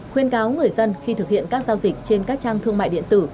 khuyên cáo người dân khi thực hiện các giao dịch trên các trang thương mại điện tử